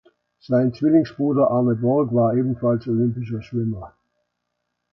Sein Zwillingsbruder Arne Borg war ebenfalls olympischer Schwimmer.